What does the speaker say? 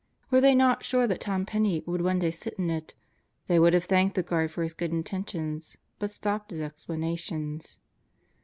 ... Were they not sure that Tom Penney would one day sit in it, they would have thanked the guard for his good intentions, but stopped his explanations.